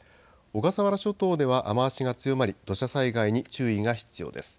小笠原諸島では雨足が強まり土砂災害に注意が必要です。